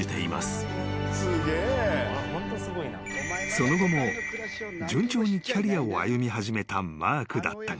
［その後も順調にキャリアを歩み始めたマークだったが］